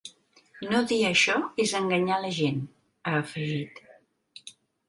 No dir això és enganyar a la gent, ha afegit.